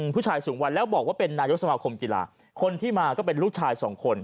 ผู้ชายสูงวันแล้วบอกว่าเป็นนายกสมาคมกีฬาคนที่มาก็เป็นลูกชายสองคน